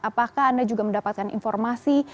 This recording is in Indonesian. apakah anda juga mendapatkan informasi